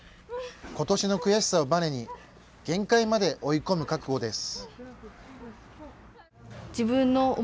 ことしの悔しさをバネに限界まで追い込む覚悟です。